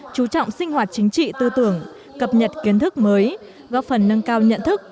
chú trọng sinh hoạt chính trị tư tưởng cập nhật kiến thức mới góp phần nâng cao nhận thức